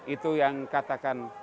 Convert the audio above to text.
itu yang katakan